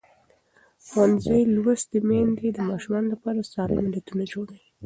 ښوونځې لوستې میندې د ماشومانو لپاره سالم عادتونه جوړوي.